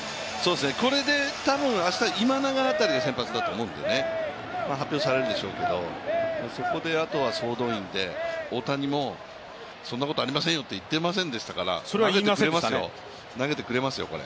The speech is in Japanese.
これで多分、明日、今永辺りが先発だと思うんでね発表されるんでしょうけどそこであとは総動員で大谷もそんなことありませんよと言っていませんでしたから投げてくれますよ、これ。